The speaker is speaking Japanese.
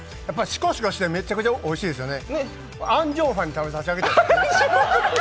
シコシコしてめっちゃくちゃおいしいですよね。